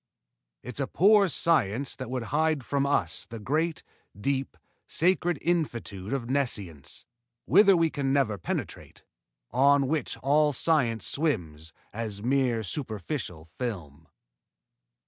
_It's a poor science that would hide from us the great, deep, sacred infinitude of Nescience, whither we can never penetrate, on which all science swims as mere superficial film.